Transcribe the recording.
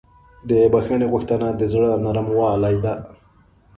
د بښنې غوښتنه د زړه نرموالی ده.